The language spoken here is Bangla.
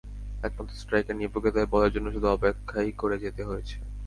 একমাত্র স্ট্রাইকার নিপুকে তাই বলের জন্য শুধু অপেক্ষাই করে যেতে হয়েছে।